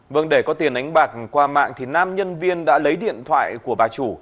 vâng để có tiền đánh bạc qua mạng thì nam nhân viên đã lấy điện thoại của bà chủ